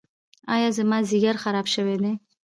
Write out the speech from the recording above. ایا زما ځیګر خراب شوی دی؟